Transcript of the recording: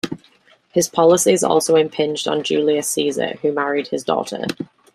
His policies also impinged on Julius Caesar, who married his daughter.